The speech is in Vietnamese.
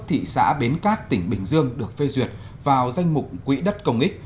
thị xã bến cát tỉnh bình dương được phê duyệt vào danh mục quỹ đất công ích